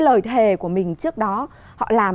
lời thề của mình trước đó họ làm